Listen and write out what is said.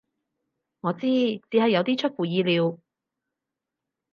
我知，只係有啲出乎意料